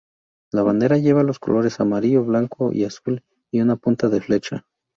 La bandera lleva los colores amarillo, blanco y azul y una punta de flecha.